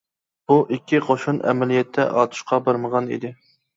بۇ ئىككى قوشۇن ئەمەلىيەتتە ئاتۇشقا بارمىغان ئىدى.